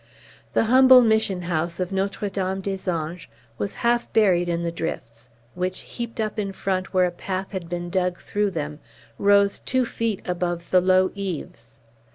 The humble mission house of Notre Dame des Anges was half buried in the drifts, which, heaped up in front where a path had been dug through them, rose two feet above the low eaves.